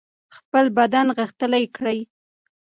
خپل بدن غښتلی کړئ.